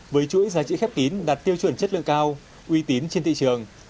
với chuỗi giá trị khép kín đạt tiêu chuẩn chất lượng cao uy tín trên thị trường